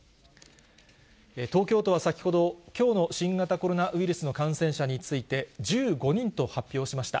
東京都は先ほど、きょうの新型コロナウイルスの感染者について１５人と発表しました。